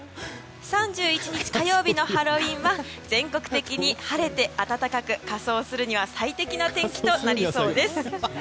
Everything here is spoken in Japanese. ３１日火曜日のハロウィーンは全国的に晴れて暖かく、仮装するには最適な天気となりそうです。